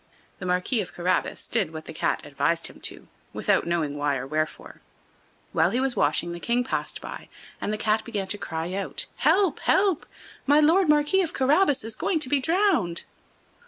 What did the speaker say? The Marquis of Carabas did what the Cat advised him to, without knowing why or wherefore. While he was washing the King passed by, and the Cat began to cry out: "Help! help! My Lord Marquis of Carabas is going to be drowned."